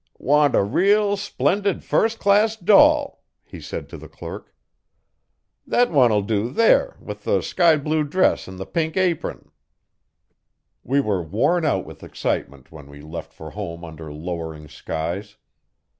'Want a reel, splendid, firs' class doll,' he said to the clerk. 'Thet one'll do, there, with the sky blue dress 'n the pink apron.' We were worn out with excitement when we left for home under lowering skies.